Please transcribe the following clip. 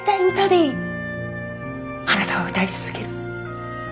あなたは歌い続ける。